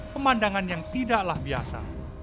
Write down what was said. pemandangan yang tidaklah biasa